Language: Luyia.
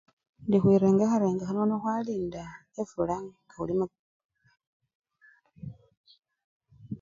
Indi khwirengekha rengekha nono khwalinda efula nga khulimaa!